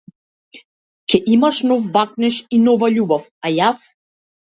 Ќе имаш нов бакнеж и нова љубов, а јас?